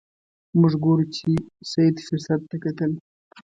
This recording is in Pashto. موږ ګورو چې سید فرصت ته کتل.